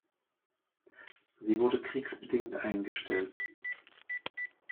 Sie wurde kriegsbedingt eingestellt.